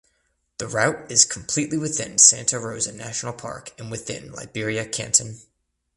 The route is completely within Santa Rosa National Park and within Liberia canton.